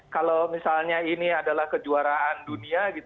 kalau misalnya ini adalah kejuaraan dunia